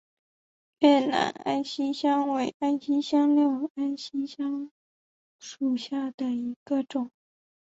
越南安息香为安息香科安息香属下的一个种。